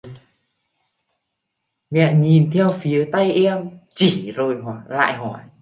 Mẹ nhìn theo phía tay em chỉ rồi lại hỏi